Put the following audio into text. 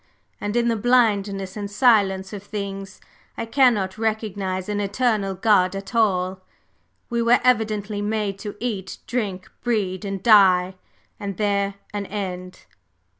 And in the blindness and silence of things, I cannot recognize an Eternal God at all; we were evidently made to eat, drink, breed and die and there an end."